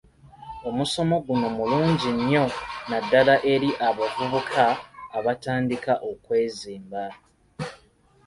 Omusomo guno mulungi nnyo naddala eri abavubuka abatandika okwezimba.